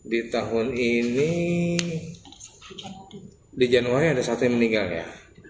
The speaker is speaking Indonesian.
di tahun ini di januari ada satu yang meninggal ya